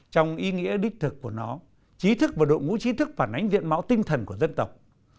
còn ý nghĩa đích thực của nó chí thức và đội ngũ chí thức phản ánh diện mạo tinh thần của dân tộc